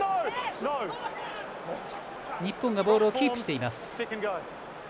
日本がボールをキープしています。